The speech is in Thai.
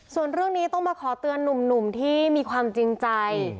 ส่วนเรื่องนี้ต้องมาขอเตือนหนุ่มที่มีความจริงใจ